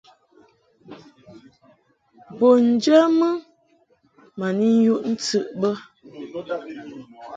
Bun njamɨ ma ni yuʼ ntɨʼ bə.